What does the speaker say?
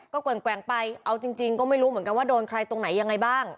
แกว่งไปเอาจริงก็ไม่รู้เหมือนกันว่าโดนใครตรงไหนยังไงบ้าง